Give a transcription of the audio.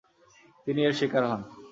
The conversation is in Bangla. তিনি এর শিকার হন।